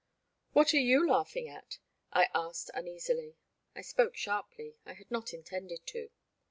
*'What are you laughing at?" I asked, un easily. I spoke sharply — I had not intended to.